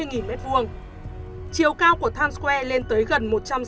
chiều cao của times square lên tới gần